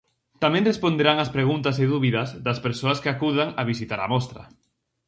Tamén responderán as preguntas e dúbidas das persoas que acudan a visitar a mostra.